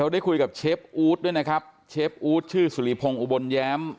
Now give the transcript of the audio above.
ได้คุยกับเชฟอู๊ดด้วยนะครับเชฟอู๊ดชื่อสุริพงศ์อุบลแย้ม